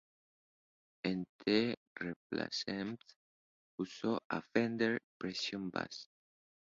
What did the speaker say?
En The Replacements usó un Fender Precision Bass.